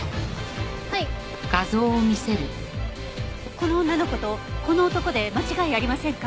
この女の子とこの男で間違いありませんか？